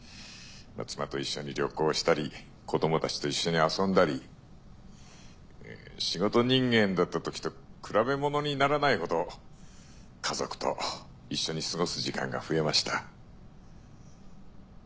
妻と一緒に旅行したり子供たちと一緒に遊んだり仕事人間だったときと比べものにならないほど家族と一緒に過ごす時間が増えました。